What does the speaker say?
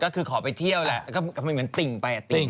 คือขอไปเที่ยวแหละก็มีเหมือนติ่งไป